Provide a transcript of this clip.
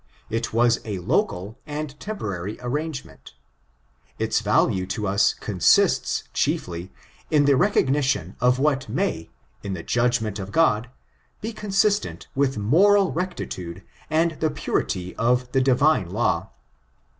It was a local and tempo* rary arrangement. Its value to us consists, chiefly, in the recognition of what may, in the judgment of Gtjd, b# ON ABOUnOHISM. 5S1 j i consistent with moral rectitude and the purity of the divine law.